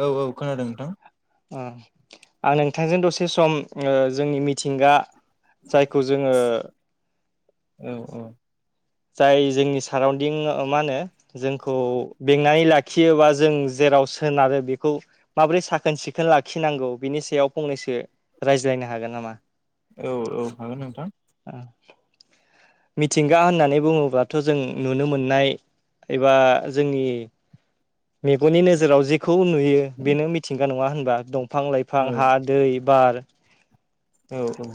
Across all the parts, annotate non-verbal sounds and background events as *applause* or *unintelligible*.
औ औ खोनादों नोंथां अ आं नोंथांजों दसे सम जोंनि मिथिंगा जायखौ जोङो औ औ जाय जोंनि साराउन्दिं मा होनो जोंखौ बेंनानै लाखियोबा जों जेराव सोनारो बेखौ माबोरै साखोन सिखोन लाखिनांगौ बिनि सायाव फंनैसो रायज्लायनो हागोन नामा औ औ हागोन नोंथां *inaudible* मिथिंगा होननानै बुङोब्लाथ' जों नुनो मोननाय एबा जोंनि मेगननि नोजोराव जेखौ नुयो बेनो मिथिंगा नंङा होनबा दंफां औ लाइफां हा दै, बार औ औ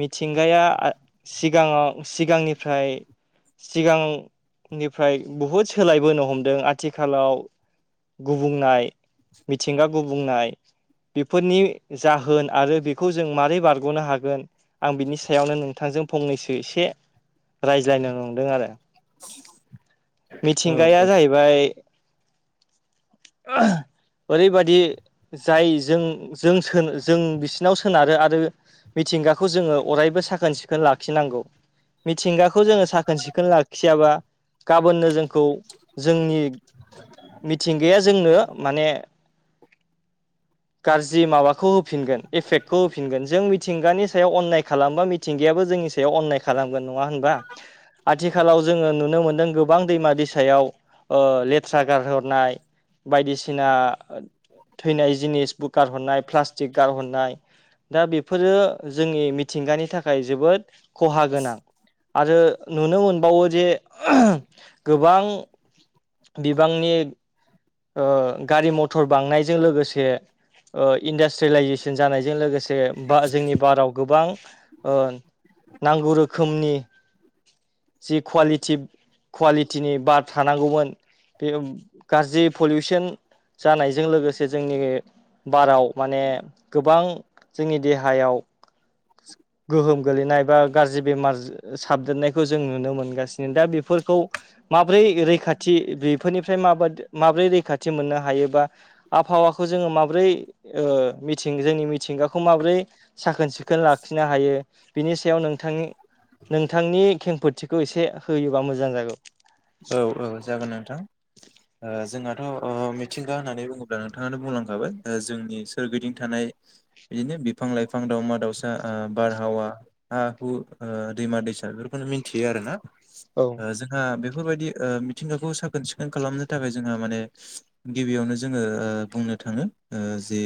मिथिंगाया सिगाङाव सिगांनिफ्राय सिगांनिफ्राय बुहुद सोलायबोनो हमदों आथिखालाव गुबुंनाय मिथिंगा गुबुंनाय बेफोरनि जाहोन आरो बेखौ जों मारै बारग'नो हागोन आं बिनि सायावनो नोंथांजों फंनैसो एसे रायज्लायनो नंदों आरो औ मिथिंगाया जाहैबाय ओरैबायाददि जाय जों जों जों बिसिनाव सोनारो आरो मिथिंगाखौ जोङो अरायबो साखोन सिखोन लाखिनांगौ मिथिंगाखौ जोङो साखोन सिखोन लाखियाबा गाबोननो जोंखौ जोंनि मिथिं गाया जोंनो माने गाज्रि माबाखौ होफिनगोन एफेक्टखौ होफिनगोन जों मिथिंगानि सायाव अननाय खालामबा मिथिंगायाबो जोंनि सायाव अननाय खालामगोन नङा होनबा आथिखालाव जोङो नुनो मोनदों गोबां दैमा दैसा याव ओ लेथ्रा गारहरनाय बायदिसिना थैनाय जिनिसबो गारहरनाय प्लास्टिक गारहरनाय दा बेफोरो जोंनि मिथिंगानि थाखाय जोबोद खहा गोनां आरो नुनो मोनबावो जे गोबां बिबांनि ओ गारि मथर बांनायजों लोगोसे ओ इन्डास्ट्रियेलाइजेसन जानायजों लोगोसे ब जोंनि भाराव गोबां ओ नांगौ रोखोमनि जि कुवालिटि कुवालिटिनि बार थानांगौमोन बे गाज्रि पलिउसन जानायजों लोगोसे जोंनि बाराव माने गोबां जोंनि देहायाव गोहोम गोलैनाय बा गाज्रि बेमार साबदेरनायखौ जों नुनो मोनगासिनो दा बेफोरखौ माब्रै रैखाथि बेफोरनिफ्राय माब माब्रै रैखाथि मोननो हायोबा आबहावाखौ जोङो माबोरै ओ मिथिं जोंनि मिथिंगाखौ माबोरै साखोन सिखोन खोन लाखिनो हायो बिनि सायाव नोंथांनि नोंथांनि खेंफोथिखौ एसे होयोबा मोजां जागौ औ औ जागोन नोंथां ओ जोंहाथ' अ मिथिंगा होननानै बुङोब्ला नोंथाङानो बुंलांखाबाय जोंनि सोरगिदिं थानाय बिदिनो बिफां लाइफां दाउमा दाउसा ओ बारहावा हा हु दैमा दैसा बेफोरखौनो मिथियो आरो ना औ जोंहा बेफोरबायदि ओ मिथिंगाखौ साखोन सिखोन खालामनो थाखाय जोंहा माने गिबियावनो जोङो बुंनो जोंङो जे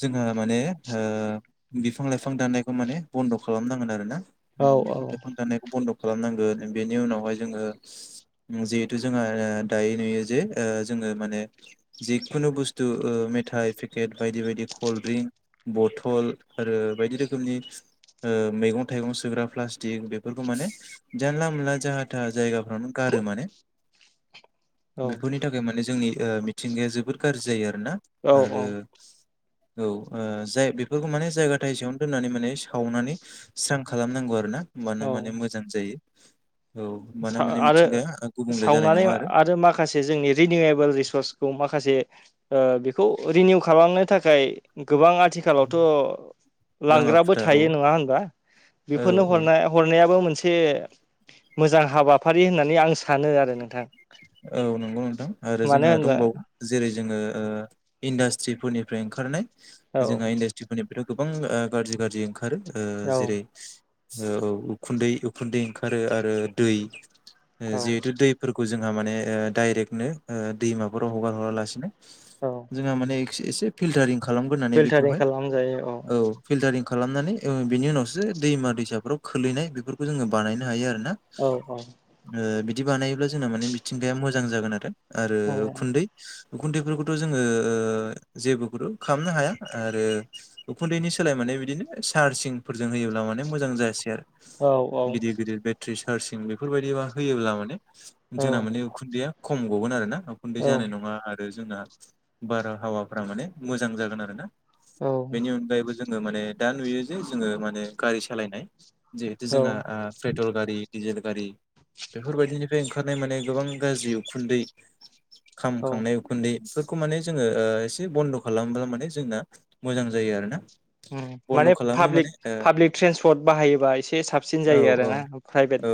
जोंहा माने ओ बिफां लाइफां दाननायखौ माने बन्द' खालामनांगोन आरो ना औ औ बिफां लाइफां दानायखौ बन्द' खालामनांगोन बेनि उनावहाय जोङो जिहेथु जोंहा दायो नुयो जे ओ जोङो माने जिखुनु बुस्थु मेथाइ पेकेट बायदि बायदि कल्ड ड्रिंक बथल आरो बायदि रोखोमनि ओ मैगं-थाइगं सुोग्रा प्लास्टिक बेफोरखौ माने जानला मोनला जाहाथे था जायगाफ्रावनो गारो माने औ बेफोरनि थाखाय माने जोंनि ओ मिथिंगाया जोबोद गाज्रि जायो आरोना औ आरो औ जाय बेफोरखौ माने जायगा थाइसेयावनो दोननानै माने सावनानै स्रां खालामनांगौ आरो ना औ होमबानो माने मोजां जायो। औ होमबाना माने आरो मिथिंगाया गुबुंले जानाय सावनानै नङा आरो मा माखासे जोंनि रिनिउयेबोल रिसर्सखौ माखासे बेखौ रिनिउ खालामनो थाखाय गोबां आथिखालावथ' बाङा लांग्राबो फुथा औ थायो नङा होनबा औ बेफोरनो औ हरना हरनायाबो मोनसे मोजां हाबाफारि होननानै आं सानो आरो नोंथां औ नंगौ नोंथां आरो मानो जोंहा होनबा दंबावो जेरै जोङो इन्डास्ट्रिफोरनिफ्राय ओंखारनाय औ जोंहा इन्डासट्रि जनि बेथ गोबां गाज्रि गाज्रि ओंखारो औ जेरै औ उखुन्दै उखुन्दै ओंखारो आरो दै औ जिहेथु दैफोरखौ जों जोंहा माने ओ डाइरेक्टनो ओ दैमाफोराव हगार हरा लासिनो औ जोंहा माने एसे फिल्टारिं खालामग्रानै फिल्टारिं बेखौहाय खालामजायो औ फिल्टारिं खालामनानै बिनि उनावसो दैमा दैसाफ्राव खोलैनाय बेफोरखौ जोङो बानायनो हायो आरो ना औ औ बिदि बानायोब्ला जोंना माने मिथिंगाया मोजां जागोन आरो आरो औ उखुन्दै उखुन्थैफोरखौथ' जोङो ओ जेबोखौथ' खालामनो हाया आरो उखुन्दैनि सोलाय माने बिदिनो सार्जिंफोरजों होयोब्ला माने मोजां जायासै आरो औ औ गिदिर गिदिर बेट्रि चार्जिं बेफोरबायदि मा होयोब्ला माने जोंना औ मानानि उखुन्दैया खम गगोन आरो ना उखुन्दै जानाय नङा आरो जोंना बारहावाफ्रा माने मोजां जागोन आरोना औ बेनि अनगायैबो जों ङो माने दा नुयो जे जोङो माने गारि सालायनाय जिहेथु जोंहा ओ पेट्रल गारि दिजेल गारि बेफोरबायदिनिफ्राय ओंखारनाय माने गोबां गाज्रि उखुन्दै खाम औ खांनाय उ खुन्दै बेफोरखौ माने जोङो ओ एसे बन्द' खालामोबब्ला माने जोंना मोजां जायो आरो ना ओम माने पाब्लिक पाब्लिक ट्रेन्सपर्ट बाहायोबा एसे साबसिन औ जायो आरो औ ना प्राइभेट औ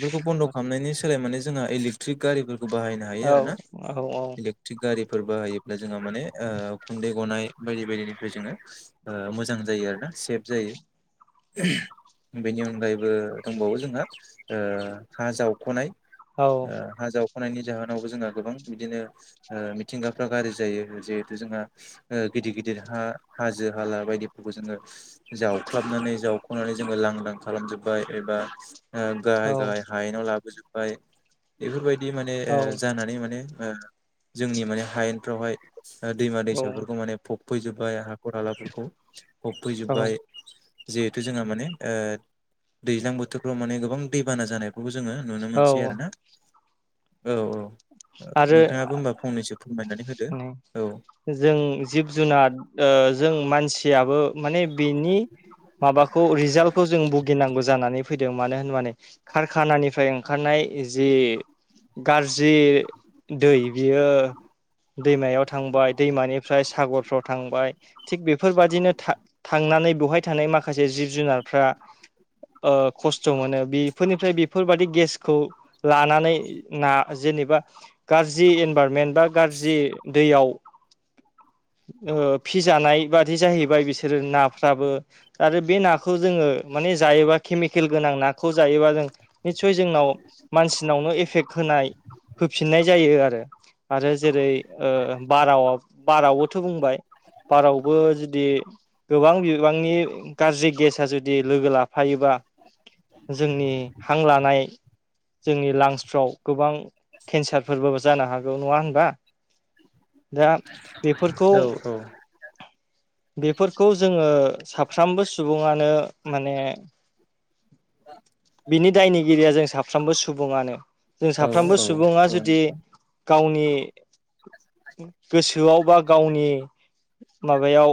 बेफोरखौ बन्द' खालामनायनि सोलाय माने जोंहा इलेकट्रिक गारिफोरखौ बाहायनो हायो औ आरो ना औ इलिक थिग गारिफोर बाहायोब्ला जोङो माने ओ उखुन्दै गनाय बायदि बायदिनिफ्राय जोङो ओ मोजां जायो आरोना सेफ जायो। बेनि अनगायैबो दंबावो जोंहा ओ हा जावख'नाय औ ओ हा जाव ख'नायनि जाहोनावबो जोंहा गोबां बिदिनो ओ मिथिंगाफ्रा गाज्रि जायो जिहेथु जोंहा ओ गिदिर गिदिर हा हाजो हाला बायदिफोरखौ जोङो जावख्लाबनानै जावख'नानै जोङो लांदां खालामजोबबाय एबा ओ गाहाय गाहाय हायेनाव लाबोजोब्बाय बेफोरबायदि माने औ ओ जानानै माने जोंनि माने हायेनफ्रावहाय दैमा औ दैसाफोरखौ माने फबफैजोबबाय हाख'र हालाफोरखौ औ फबफैजोबबाय जिहेथु जोंहा माने दैज्लां बोथोरफ्राव माने गोबां दैबाना जानाय बेखौबो जोङो नुनो मोनसै आरो औ ना औ औ आरो नोंथाङाबो होबा फंनैसो फोरमायनानै होदो औ जों जिब जुनार ओ जों मानसियाबो माने बिनि माबाखौ रिजाल्टखौ जों भुगिनांगौ जानानै फैदों मानो होनबानो नै कारखानानिफ्राय ओंखारनाय जि गाज्रि दै बियो दैमायाव थांबाय दैमानिफ्राय सागरफ्राव थांबाय थिग बेफोरबादिनो था-थांनानै बेवहाय थानाय माखासे जिब जुनारफ्रा ओ खस्थ' मोनो बेफोरनिफ्राय बेफोरबाददि गेसखौ लानानै ना जेनेबा गाज्रि इनभाररमेन्ट बा गाज्रि दैयाव ओ फिजानाय बादि जाहैबाय बिसोरो नाफ्राबो आरो बे नाखौ जोङो माने जायोबा केमिकेल गोनां नाखौ जायोबा जों निस्सय जोंनाव मानसिनावनो एफेक्ट होनाय होफिननाय जायो आरो। आरो जेरै बार बार थो बुंबाय बारावबो जुदि गोबां बिबांनि गाज्रि गेसा जुदि लोगो लाफायोबा जोंनि हां लानाय जोंनि लांसफ्राव गोबां केन्सारफोरबाबो जानो हागौ नङा होनबा दा बेफोरखौ औ बेफोरखौ जोङो साफ्रोमबो सुबुङानो माने बिनि दायनिगिरिया जों साफ्रोमबो सुबुङानो जों औ साफ्रोमबो सुबुङा औ जुदि नोंथां गावनि गोसोआव बा गावनि माबायाव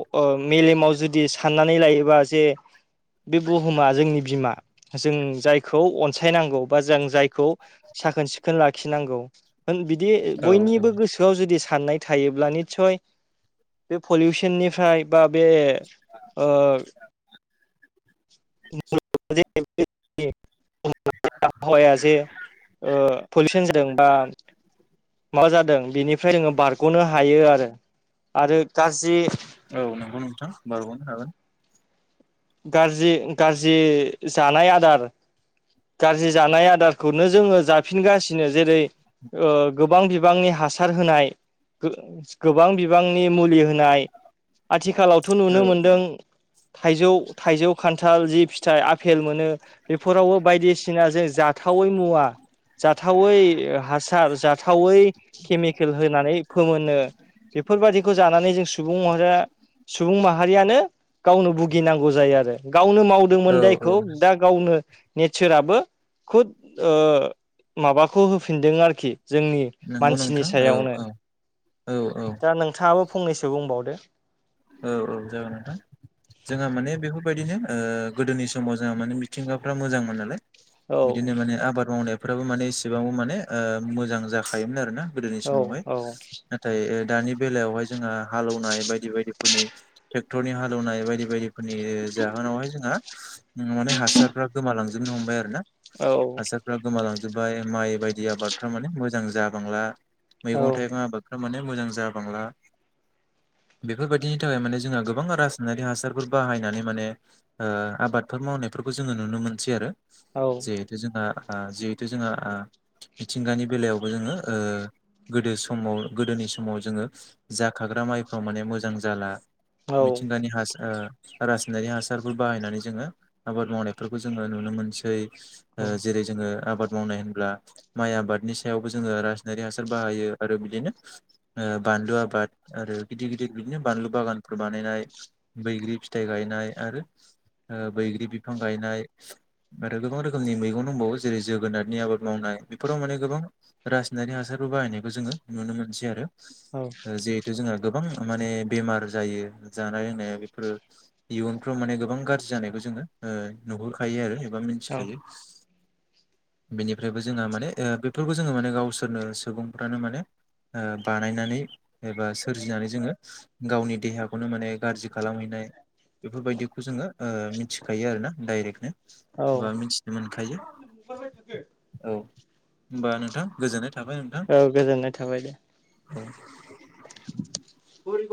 मेलेमाव जुदि साननानै लायोबा जे बे बुहुमा जोंनि बिमा जों जायखौ अनसायनांगौ बा जों जायखौ साखोन सिखोन लाखिनांगौ बिदि औ बयनिबो गोसोआव जुदि साननाय थायोब्ला निस्सय बे पलिउसननिफ्राय बा बे *unintelligible* आबहावाया जे पलिउसन जादों बा माबा जादों बेनिफ्राय जोङो बारग'नो हायो आरो आरो गाज्रि बग' नोंथां बारगावनो हागोन गाज्रि गाज्रि जानाय आदार गाज्रि जानाय आदारखौनो जोङो जाफिनगासिनो जेरै गोबां बिबांनि हासार होनाय गोबां बिबांनि मुलि होनाय आथिखालावथ' औ नुनो मोनदों थाइजौ थाइजौ खान्थाल जि फिथाइ आफेल मोनो बेफोरावबो बायदिसिना जों जाथावै मुवा जाथावै हासार जाथावै केमिकेल होनानै फोमोनो बेफोरबादिखौ जानानै जों सुबुं म सुबुं माहारियानो गावनो भुगिनांगौ नांगौ जायो आरो गावनो मावदोंमोन औ दायखौ औ दा गावनो नेचाराबो खद माबाखौ होफिनदों आरोखि जोंनि नंगौ मानसिनि नोंथां औ सायावनो औ दा नोंथाङाबो फंनैसो बुंबावदो जागोना जोंहा माने बेफोरबायदिनो ओ गोदोनि समाव जोंहा माने मिथिंगाफ्रा मोजांमोन नालाय औ बिदिनो माने आबाद मावनायफ्राबो माने इसेबांबो माने मोजां जाखायोमोन आरो ना गोदोनि औ समावहाय औ नाथाय दानि बेलायावहाय जोंहा हालौवनाय बायदि बायदिफोरनि ट्रेक्टरनि हालौवनाय बायदि बायदि फोरनि जाहोनावहाय जोंहा माने हासारफ्रा गोमालांजोबनो हमबाय आरो ना औ हासारफ्रा गोमालांजोबबाय माइ बायदि आबादफ माने मोजां जाबांला औ मैगं थाइगं आबाद थ माने मोजां जाबांला बेफोरबायदिनि थाखाय माने जोंहा गोबां रासायनारि हासारफोर बाहायनानै माने ओ आबादफोर मावनायफोरखौ जोङो नुनो मोनसै आरो औ जे जोंहा जिहेथु जोंहा मिथिंगानि बेलायावबो जोङो गोदो समाव गोदोनि समाव जोङो जाखाग्रा माइफ्राव माने मोजां जाला औ मिथिंगानि हास रासायनारि हासारफोर बाहायनानै जोङो आबाद मावनायफोरखौ जोङो नुनो मोनसै जेरै जोङो आबाद मावनाय होनब्ला माइ आबादनि सायावबो जोङो रायारि हासार बाहायो आरो बिदिनो बानलु आबाद आरो गिदिर गिदिर बिदिनो बानलु बागान बानायनाय बैग्रि फिथाइ गायनाय आरो ओ बैग्रि बिफां गायनाय ओरै गोबां रोखोमनि मैगं दंबावो जेरै जोगोनारनि आबाद मावनाय बेफोराव माने गोबां रासनारि हासारबो बाहायनायखौ जोङो नुनो मोनसै आरो औ जिहेथु जोंहा गोबां माने बेमार जायो जानाय लोंनाया बेफोरो इयुनफ्राव माने गोबां गाज्रि जानायखौ जोङो ओ नुहुरखायो आरो एबा मि थिखायो बेनिफ्रायबो जोंहा ओ माने ओ बेफोरखौ जोङो माने गावसोरनो सुबुंफ्रानो माने ओ बानायनानै एबा सोरजिनानै जोङो गावनि देहा खौनो माने गाज्रि खालामहैनाय बेफोरबायदिखौ ओ जोङो मिथिखायो आरोना डाइरेक्टनो। औ एबा मिथिनो मोनखायो औ होनबा नोंथां गोजोननाय था थाबाय नोंथां? औ गोजोननाय थाबाय दे औ बोरैबा